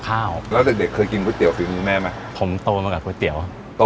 ขายไปร้านก๋วยเตี๋ยว